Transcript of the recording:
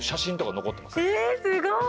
えすごい！